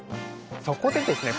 そこでですね